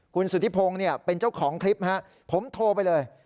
คุณสุธิพงศ์เป็นเจ้าของคลิปผมโทรไปเลย